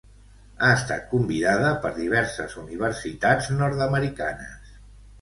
Ha estat convidada per diverses universitats nord-americanes.